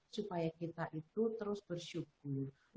supaya kita itu terus bersyukur